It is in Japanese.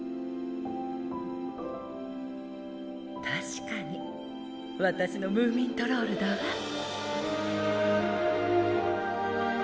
確かに私のムーミントロールだわ。